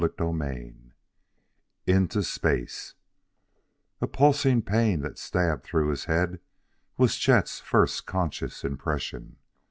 CHAPTER II Into Space A pulsing pain that stabbed through his head was Chet's first conscious impression.